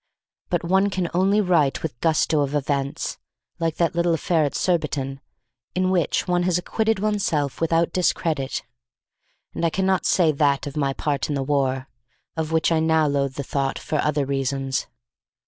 But one can only write with gusto of events (like that little affair at Surbiton) in which one has acquitted oneself without discredit, and I cannot say that of my part in the war, of which I now loathe the thought for other reasons.